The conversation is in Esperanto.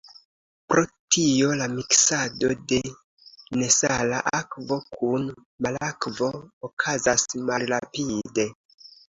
Pro tio la miksado de nesala akvo kun marakvo okazas malrapide.